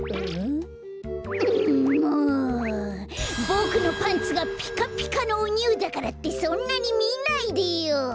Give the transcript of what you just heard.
ボクのパンツがピカピカのおニューだからってそんなにみないでよ！